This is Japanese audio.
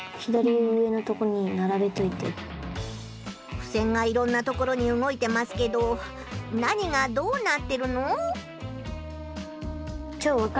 ふせんがいろんな所に動いてますけど何がどうなってるの！？